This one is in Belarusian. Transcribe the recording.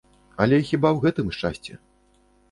Але хіба ў гэтым шчасце?